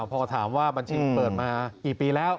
พอถามว่าบัญชีเปิดมากี่ปีแล้ว